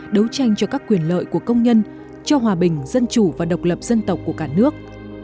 đấu tranh cho các quyền lợi của công nhân cho hòa bình dân chủ và độc lập dân tộc của cả nước